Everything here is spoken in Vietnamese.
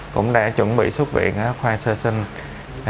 cũng đã chuẩn bị xuất viện khoai sơ sinh